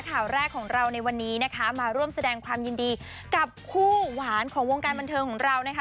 ข่าวแรกของเราในวันนี้นะคะมาร่วมแสดงความยินดีกับคู่หวานของวงการบันเทิงของเรานะคะ